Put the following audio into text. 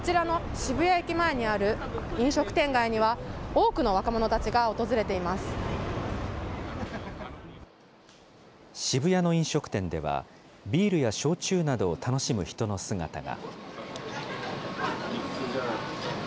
渋谷の飲食店では、ビールや焼酎などを楽しむ人の姿が。